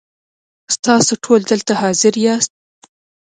ستاسو ټول دلته حاضر یاست .